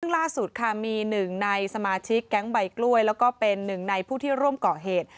ซึ่งล่าสุดค่ะมีหนึ่งในสมาชิกแก๊งใบกล้วยแล้วก็เป็นหนึ่งในผู้ที่ร่วมก่อเหตุ